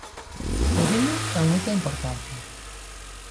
O viño ten moita importancia.